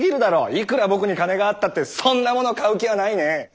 いくら僕に金があったってそんなものを買う気はないねッ。